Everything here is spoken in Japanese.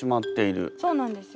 そうなんですよ